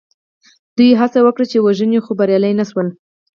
دوی هڅه وکړه چې ویې وژني خو بریالي نه شول.